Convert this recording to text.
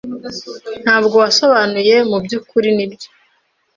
Ntabwo wasobanuye mubyukuri, nibyo?